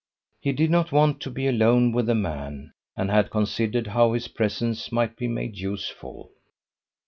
He did not want to be alone with the man, and he considered how his presence might be made useful.